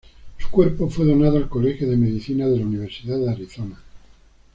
Su cuerpo fue donado al colegio de medicina de la Universidad de Arizona.